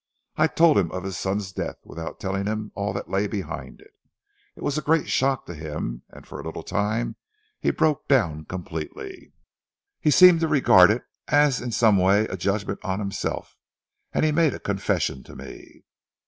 I told him of his son's death, without telling him all that lay behind it. It was a great shock to him and for a little time he broke down completely. He seemed to regard it as in some way a judgment on himself, and he made a confession to me."